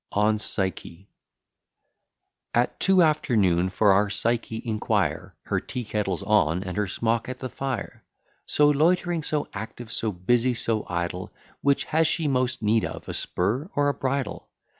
ON PSYCHE At two afternoon for our Psyche inquire, Her tea kettle's on, and her smock at the fire: So loitering, so active; so busy, so idle; Which has she most need of, a spur or a bridle?